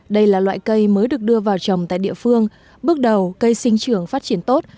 đây là loại cây mới được đưa vào trồng tại địa phương bước đầu cây sinh trưởng phát triển tốt